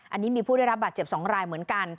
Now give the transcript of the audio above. อันนี้มีผู้ได้รับบาดเจ็บ๒รายเหมือนกัน